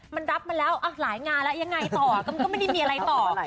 มันรับมาแล้วหลายงานแล้วยังไงต่อมันก็ไม่ได้มีอะไรต่อ